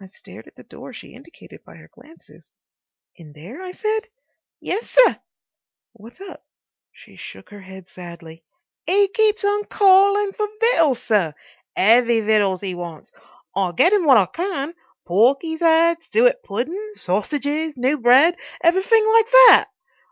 I stared at the door she indicated by her glances. "In there?" I said. "Yes, sir." "What's up?" She shook her head sadly, "'E keeps on calling for vittles, sir. 'EAVY vittles 'e wants. I get 'im what I can. Pork 'e's 'ad, sooit puddin', sossiges, noo bread. Everythink like that.